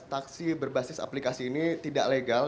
taksi berbasis aplikasi ini tidak legal